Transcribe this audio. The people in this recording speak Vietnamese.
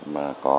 mà có cái